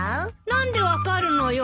何で分かるのよ？